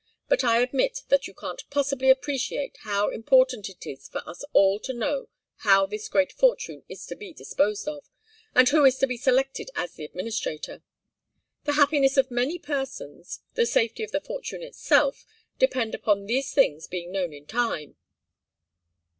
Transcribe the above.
But I admit that you can't possibly appreciate how important it is for us all to know how this great fortune is to be disposed of, and who has been selected as the administrator. The happiness of many persons, the safety of the fortune itself, depend upon these things being known in time."